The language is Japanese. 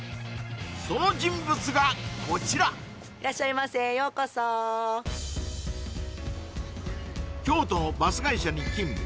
その人物がこちら京都のバス会社に勤務